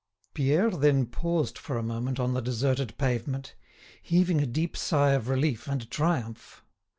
Pierre then paused for a moment on the deserted pavement, heaving a deep sigh of relief and triumph.